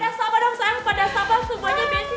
padahal sama dong sayang padahal sama semuanya